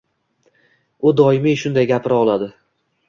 U doimiy shunday gapira oladi.